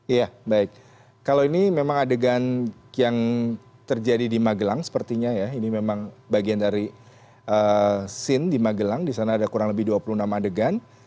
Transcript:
ya baik kalau ini memang adegan yang terjadi di magelang sepertinya ya ini memang bagian dari scene di magelang di sana ada kurang lebih dua puluh enam adegan